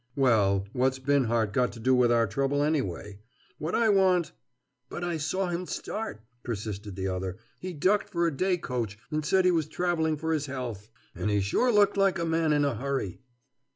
"Well, what's Binhart got to do with our trouble anyway? What I want—" "But I saw him start," persisted the other. "He ducked for a day coach and said he was traveling for his health. And he sure looked like a man in a hurry!"